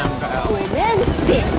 ごめんって。